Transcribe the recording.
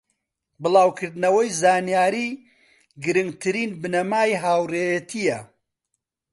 بڵاوکردنەوەی زانیاری گرنگترین بنەمای هاوڕێیەتیە